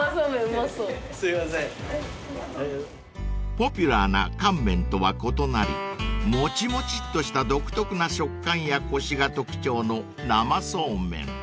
［ポピュラーな乾麺とは異なりもちもちっとした独特な食感やコシが特徴の生そうめん］